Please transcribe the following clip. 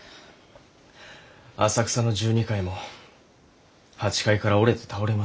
浅草の十二階も８階から折れて倒れました。